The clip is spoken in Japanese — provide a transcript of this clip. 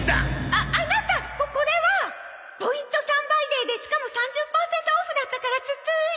アアナタここれはポイント３倍デーでしかも３０パーセントオフだったからつい。